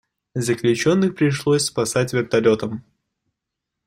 Заключенных пришлось спасать вертолётом.